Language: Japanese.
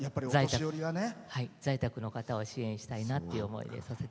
在宅の方を支援したいなという思いで。